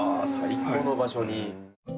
最高の場所に。